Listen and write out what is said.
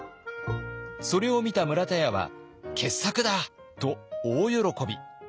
それを見た村田屋は傑作だと大喜び。